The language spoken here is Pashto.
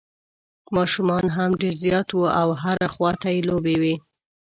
ماشومان هم ډېر زیات وو او هر خوا ته یې لوبې وې.